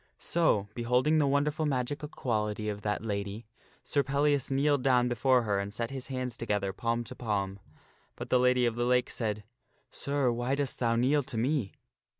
So, beholding the wonderful magical quality of that lady, Sir Pellias kneeled down before her and set his hands together, palm to palm. But the Lady of the Lake said, " Sir, why dost thou kneel to me?"